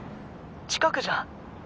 近くじゃん！